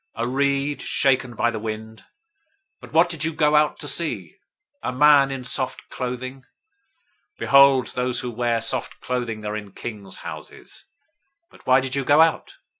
A reed shaken by the wind? 011:008 But what did you go out to see? A man in soft clothing? Behold, those who wear soft clothing are in king's houses. 011:009 But why did you go out?